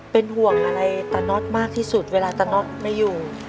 เป็นห่วงอะไรตาน็อตมากที่สุดเวลาตาน็อตไม่อยู่